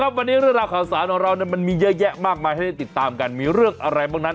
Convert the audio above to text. และเนี่ยครับเมื่อขาวสาวของเราเนี่ยมันเป็นเยอะแยะมากร้อยมาติดตามกันดูได้เลยเลย